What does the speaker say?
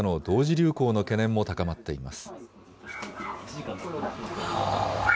流行の懸念も高まっています。